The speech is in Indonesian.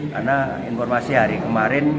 karena informasi hari kemarin